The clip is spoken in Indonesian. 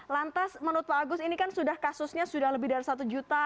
lantas menurut pak agus ini kan sudah kasusnya sudah lebih dari satu juta